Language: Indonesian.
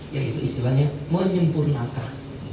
yaitu istilahnya menyempurnakan